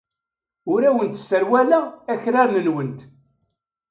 Ur awent-sserwaleɣ akraren-nwent.